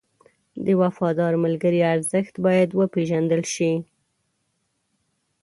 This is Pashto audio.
د وفادار ملګري ارزښت باید وپېژندل شي.